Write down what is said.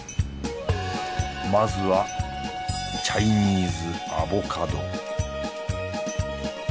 まずはチャイニーズアボカド